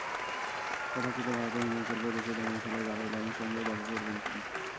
কথা ছিল ভারতের হিমাচল প্রদেশের ধর্মশালায় দালাই লামার সঙ্গেও দেখা করবেন তিনি।